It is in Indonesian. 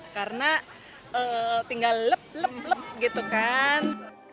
karena tinggal leb leb leb gitu kan